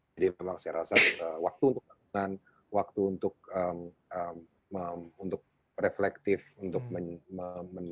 jadi memang saya rasa waktu untuk lakukan waktu untuk reflektif untuk menikmati